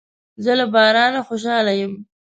زه له بارانه خوشاله یم.